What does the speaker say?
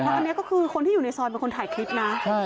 อันนี้ก็คือคนที่อยู่ในซอยเป็นคนถ่ายคลิปนะ